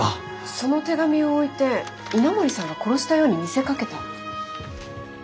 その手紙を置いて稲森さんが殺したように見せかけた。